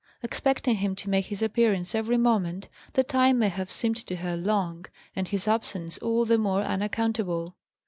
Expecting him to make his appearance every moment, the time may have seemed to her long, and his absence all the more unaccountable.